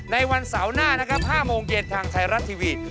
ในวันเสาร์หน้านะครับ๕โมงเย็นทางไทยรัฐทีวี